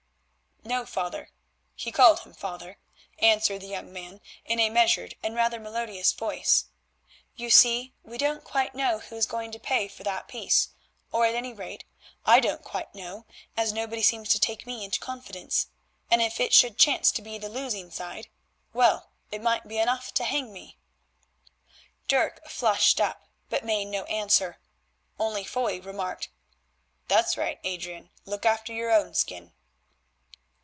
"No, father"—he called him father—answered the young man in a measured and rather melodious voice. "You see we don't quite know who is going to pay for that piece. Or at any rate I don't quite know, as nobody seems to take me into confidence, and if it should chance to be the losing side, well, it might be enough to hang me." Dirk flushed up, but made no answer, only Foy remarked: "That's right, Adrian, look after your own skin."